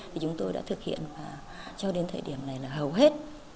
thì chúng tôi đã thực hiện và cho đến thời điểm này là hầu hết